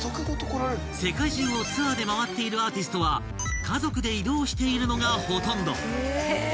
［世界中をツアーで回っているアーティストは家族で移動しているのがほとんど］